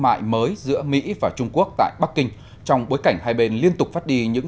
mại mới giữa mỹ và trung quốc tại bắc kinh trong bối cảnh hai bên liên tục phát đi những